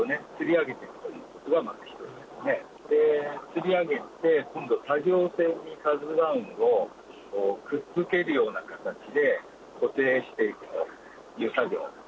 つり上げて今度、作業船に「ＫＡＺＵ１」をくっつけるような形で固定していくという作業。